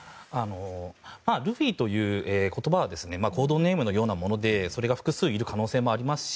ルフィという言葉はコードネームのようなものでそれが複数いる可能性もありますし